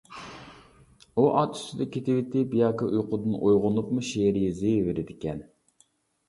ئۇ ئات ئۈستىدە كېتىۋېتىپ ياكى ئۇيقۇدىن ئويغىنىپمۇ شېئىر يېزىۋېرىدىكەن.